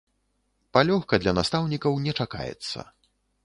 Палёгка для настаўнікаў не чакаецца.